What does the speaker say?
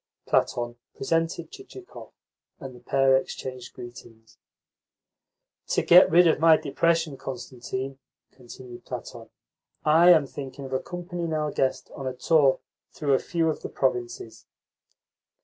Platon presented Chichikov, and the pair exchanged greetings. "To get rid of my depression, Constantine," continued Platon, "I am thinking of accompanying our guest on a tour through a few of the provinces."